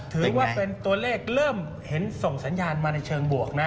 ถือว่าเป็นตัวเลขเริ่มเห็นส่งสัญญาณมาในเชิงบวกนะ